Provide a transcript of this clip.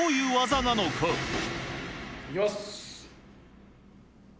いきます。